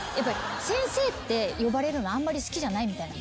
「先生」って呼ばれるのあんまり好きじゃないみたい。